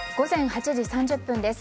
午前８時３０分です。